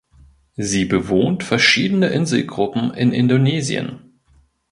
Sie bewohnt verschiedene Inselgruppen in Indonesien.